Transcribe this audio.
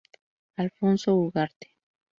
Alfonso Ugarte.